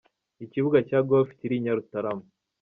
Ikibuga cya Golf kiri i Nyarutarama.